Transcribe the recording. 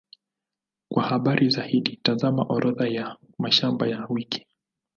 Kwa habari zaidi, tazama Orodha ya mashamba ya wiki.